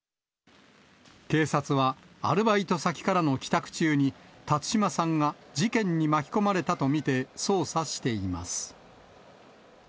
警察はアルバイト先からの帰宅中に、辰島さんが事件に巻き込まれたと見て捜査しています。